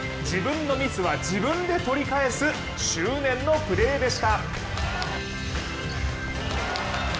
自分のミスは自分で取り返す執念のプレーでした。